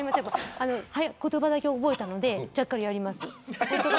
言葉だけ覚えたのでジャッカルやります。